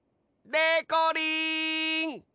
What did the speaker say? でこりん！